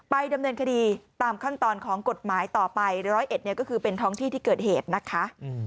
ดำเนินคดีตามขั้นตอนของกฎหมายต่อไป๑๐๑เนี่ยก็คือเป็นท้องที่ที่เกิดเหตุนะคะ